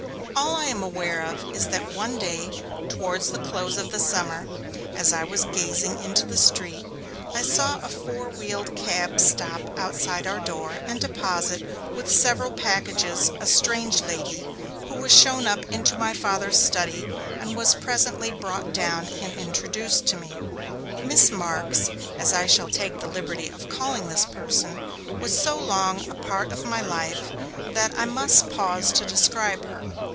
All I am sure of is that one day, towards the close of the summer, as I was gazing into the street, I saw a four wheeled cab stop outside our door, and deposit, with several packages, a strange lady, who was shown up into my Father's study and was presently brought down and introduced to me. Miss Marks, as I shall take the liberty of calling this person, was so long a part of my life that I must pause to describe her.